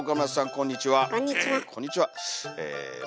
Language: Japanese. こんにちは。